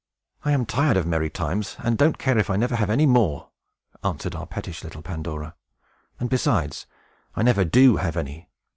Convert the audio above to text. "I am tired of merry times, and don't care if I never have any more!" answered our pettish little Pandora. "And, besides, I never do have any.